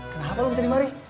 kenapa kamu bisa dimari